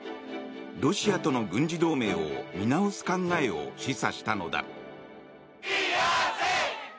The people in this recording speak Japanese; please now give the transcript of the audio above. ロシアとの軍事同盟を見直す考えを示唆したのだ。